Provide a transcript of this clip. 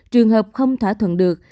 trường hợp không thỏa thuận được